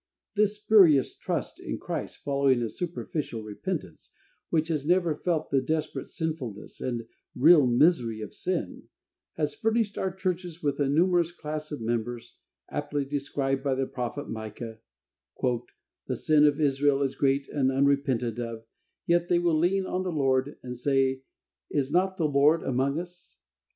This spurious trust in Christ following a superficial repentance, which has never felt the desperate sinfulness and real misery of sin, has furnished our churches with a numerous class of members, aptly described by the prophet Micah: "The sin of Israel is great and unrepented of, yet they will lean on the Lord, and say, Is not the Lord among us?"